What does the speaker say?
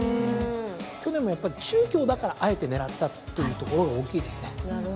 去年もやっぱり中京だからあえて狙ったというところが大きいですね。